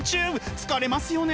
疲れますよね！